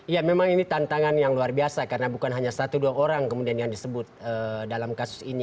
ya memang ini tantangan yang luar biasa karena bukan hanya satu dua orang kemudian yang disebut dalam kasus ini